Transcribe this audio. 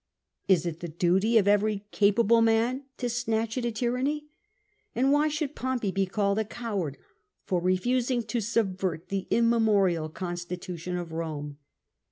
Is it the duty of every capable man to snatch at a tyranny? And why should Pompey he called a coward for refusing to subvert the immemorial constitu tion of Rome